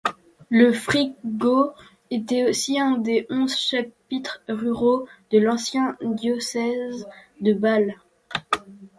Le Frickgau était aussi un des onze chapitres ruraux de l'ancien diocèse de Bâle.